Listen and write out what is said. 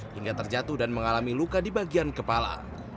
hingga terjatuh dan mengalami luka di bagian kepala